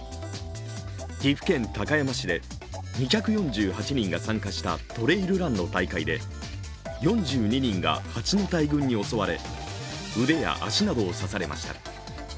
岐阜県高山市で２４８人が参加したトレイルランの大会で４２人が蜂の大群に襲われ、腕や足などを刺されました。